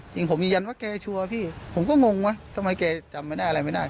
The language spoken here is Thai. จริงผมยืนยันว่าแกชัวร์พี่ผมก็งงว่าทำไมแกจำไม่ได้อะไรไม่ได้